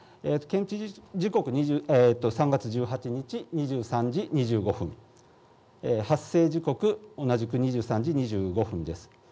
現地時刻３月１８日２３時２５分発生時刻同じく２３時２５分です。